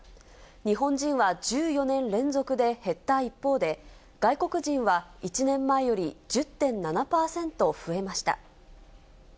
日本人は１４年連続で減った一方で、外国人は１年前より１０．７％増えました。